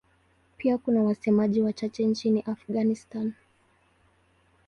Pia kuna wasemaji wachache nchini Afghanistan.